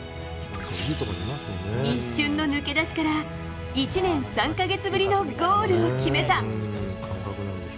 一瞬の抜け出しから１年３か月ぶりのゴールを決めた。